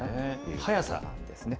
早さなんですね。